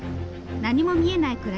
何も見えない